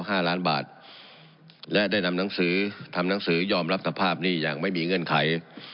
ห้าล้านบาทและได้นำหนังสือทำหนังสือยอมรับสภาพหนี้อย่างไม่มีเงื่อนไข